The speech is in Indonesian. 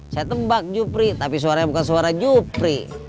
saya tembak jupri tapi suaranya bukan suara jupri